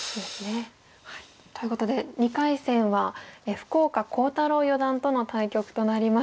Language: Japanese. ということで２回戦は福岡航太朗四段との対局となります。